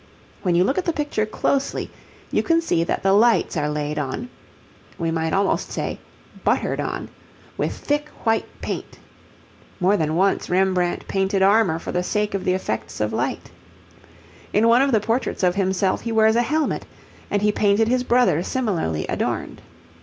When you look at the picture closely, you can see that the lights are laid on (we might almost say 'buttered on') with thick white paint. More than once Rembrandt painted armour for the sake of the effects of light. In one of the portraits of himself he wears a helmet, and he painted his brother similarly adorned.